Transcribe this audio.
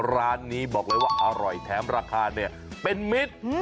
ร้านนี้บอกเลยว่าอร่อยแถมราคาเนี่ยเป็นมิตร